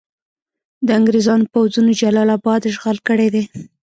د انګریزانو پوځونو جلال اباد اشغال کړی دی.